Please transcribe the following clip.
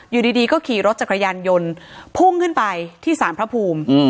อยู่ดีก็ขี่รถจักรยานยนต์พุ่งขึ้นไปที่สารพระภูมิ